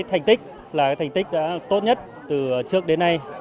thành tích là thành tích đã tốt nhất từ trước đến nay